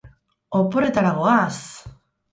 Oporretara goaz!